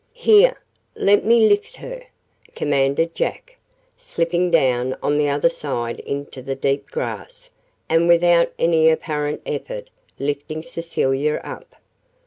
"Here! Let me lift her," commanded Jack, slipping down on the other side into the deep grass and without any apparent effort lifting Cecilia up.